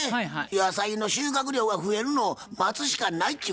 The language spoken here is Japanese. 野菜の収穫量が増えるのを待つしかないっちゅう